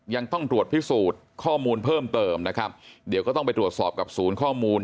ยังต้องตรวจพิสูจน์ข้อมูลเพิ่มเติมนะครับเดี๋ยวก็ต้องไปตรวจสอบกับศูนย์ข้อมูล